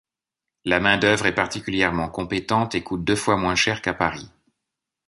La main-d’œuvre est particulièrement compétente et coûte deux fois moins cher qu’à Paris.